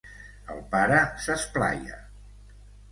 El pare s'esplaia.